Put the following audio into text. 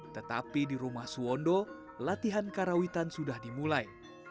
tetapi di rumah suwondo latihan karawitan sudah dimulai